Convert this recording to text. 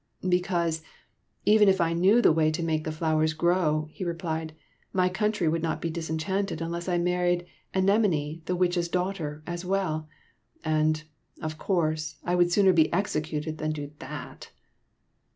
'' Because, even if I knew the way to make the flowers grow," he replied, " my country would not be disenchanted unless I married Anemone, the Witch's daughter, as well. And, of course, I would sooner be executed than do that!"